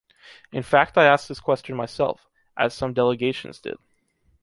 In fact I asked this question myself, as some delegations did.